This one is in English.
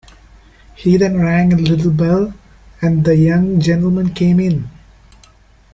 He then rang a little bell, and the young gentleman came in.